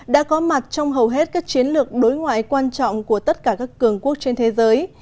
đã có mặt trong hầu hết các chiến lược đối ngoại quan trọng của tất cả các cường quốc trên thế giới